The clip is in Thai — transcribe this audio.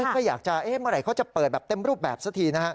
ก็อยากจะเมื่อไหร่เขาจะเปิดแบบเต็มรูปแบบสักทีนะฮะ